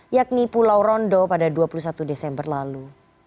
yakni pulau rondo pada dua puluh satu desember lalu